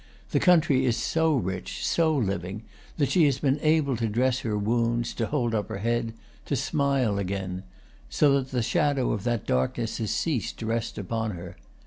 The country is so rich, so living, that she has been able to dress her wounds, to hold up her head, to smile again; so that the shadow of that darkness has ceased to rest upon her.